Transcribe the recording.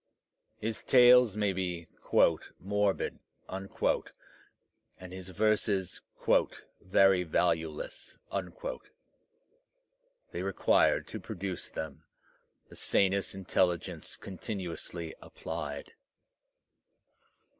His tales may be "morbid," and his verses "very valueless." They required, to produce them, the sanest intelligence continuously applied.